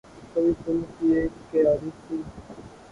کبھی پھولوں کی اک کیاری سی